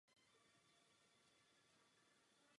Základem je samozřejmě posílení vztahů se sousedními zeměmi.